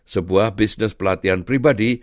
sebuah bisnis pelatihan pribadi